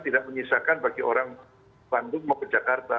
itu tidak menyisakan bagi orang bandung maupun jakarta